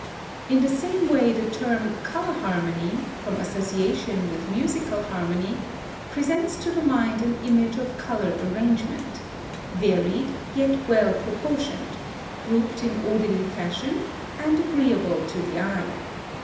(151) In the same way the term color harmony, from association with musical harmony, presents to the mind an image of color arrangement, varied, yet well proportioned, grouped in orderly fashion, and agreeable to the eye.